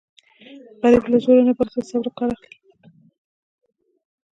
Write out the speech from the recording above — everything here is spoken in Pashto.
غریب له زوره نه بلکې له صبره کار اخلي